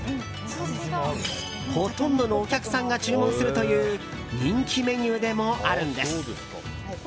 ほとんどのお客さんが注文するという人気メニューでもあるんです。